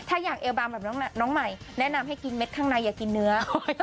ถ้าอยากเอวบางแบบน้องใหม่แนะนำให้กินเม็ดข้างในอย่ากินเนื้อ